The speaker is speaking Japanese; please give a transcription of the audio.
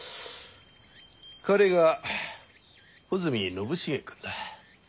彼が穂積陳重君だ。